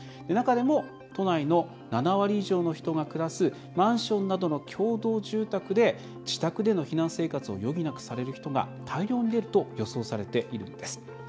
中でも、都内の７割以上の人が暮らすマンションなどの共同住宅で、自宅での避難生活を余儀なくされる人が大量に出ると予想されているんです。